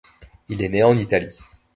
Il est né en Italie.